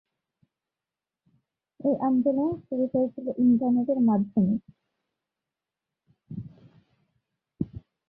এই আন্দোলন শুরু হয়েছিল ইন্টারনেটের মাধ্যমে।